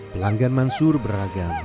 pelanggan mansur beragam